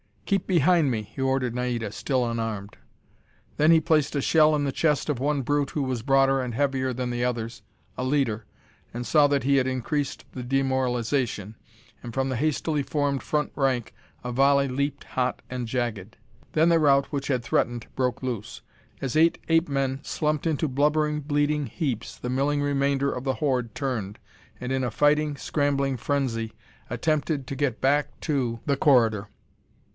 "Keep behind me!" he ordered Naida, still unarmed. Then he placed a shell in the chest of one brute who was broader and heavier than the others a leader and saw that he had increased the demoralization; and from the hastily formed front rank a volley leaped hot and jagged. Then the rout which had threatened broke loose. As eight ape men slumped into blubbering, bleeding heaps, the milling remainder of the horde turned, and in a fighting, scrambling frenzy attempted to get back to the corridor.